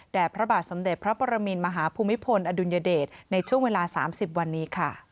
พระบาทสมเด็จพระปรมินมหาภูมิพลอดุลยเดชในช่วงเวลา๓๐วันนี้ค่ะ